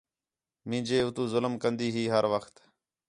مینجے اتو ظلم کندی ہی ہر وخت